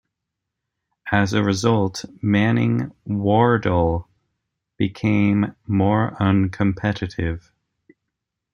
As a result, Manning Wardle became more uncompetitive.